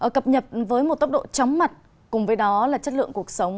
cập nhập với một tốc độ chóng mặt cùng với đó là chất lượng cuộc sống